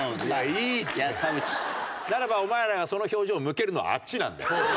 ならばお前らがその表情を向けるのはあっちなんだよ。